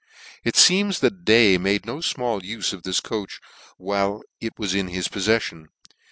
It feems that Day made no fmall ufe of this coach while it was in his pofTeflion.